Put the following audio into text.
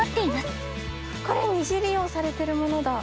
これ二次利用されてるものだ。